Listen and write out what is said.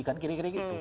kan kira kira gitu